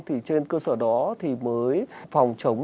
thì trên cơ sở đó thì mới phòng chống